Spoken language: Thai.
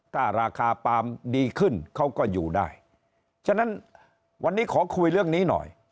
ถ้าราคาปาล์มดีขึ้นเขาก็อยู่ได้ฉะนั้นวันนี้ขอคุยเรื่องนี้หน่อย